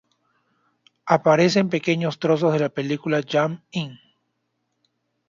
Aparecen pequeños trozos de la película Jump In!.